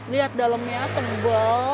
lihat dalemnya tebal